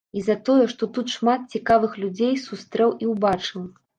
І за тое, што тут шмат цікавых людзей сустрэў і ўбачыў.